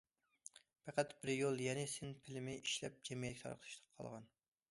پەقەت بىر يول يەنى، سىن فىلىمى ئىشلەپ جەمئىيەتكە تارقىتىش قالغان.